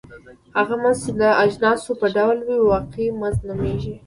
هغه مزد چې د اجناسو په ډول وي واقعي مزد نومېږي